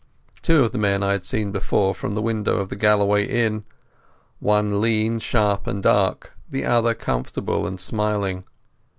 Two of the men I had seen before from the window of the Galloway inn—one lean, sharp, and dark, the other comfortable and smiling.